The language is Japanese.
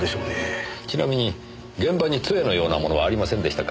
ちなみに現場に杖のようなものはありませんでしたか？